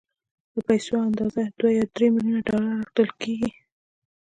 د پيسو اندازه دوه يا درې ميليونه ډالر اټکل کېږي.